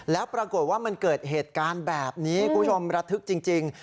แล้วปรากฏว่ามันเกิดเหตุการณ์แบบนี้คุณผู้ชมระทึกจริง